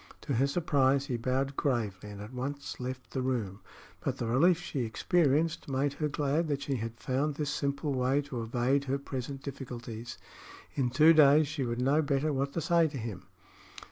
To her surprise he bowed gravely and at once left the room; but the relief she experienced made her glad that she had found this simple way to evade her present difficulties. In two days she would know better what to say to him.